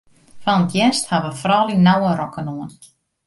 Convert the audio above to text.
Fan 't hjerst hawwe froulju nauwe rokken oan.